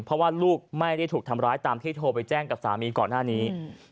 เพราะว่าลูกไม่ได้ถูกทำร้ายตามที่โทรไปแจ้งกับสามีก่อนหน้านี้